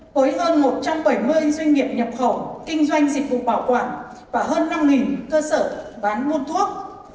với hơn một trăm bảy mươi doanh nghiệp nhập khẩu kinh doanh dịch vụ bảo quản và hơn năm cơ sở bán buôn thuốc